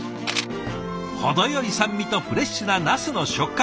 程よい酸味とフレッシュなナスの食感。